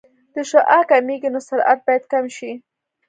که شعاع کمېږي نو سرعت باید کم شي